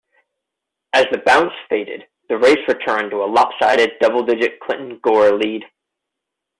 As the bounce faded, the race returned to a lopsided double-digit Clinton-Gore lead.